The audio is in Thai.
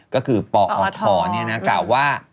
ก็คือปอทกล่าวว่า